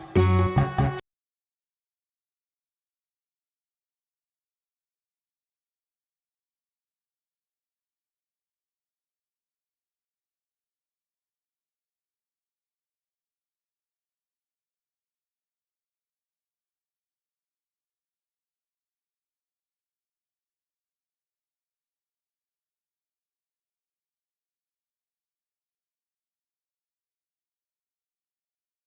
jalan kaki dulu bang ustadz